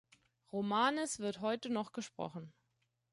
Romanes wird heute noch gesprochen.